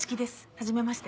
はじめまして。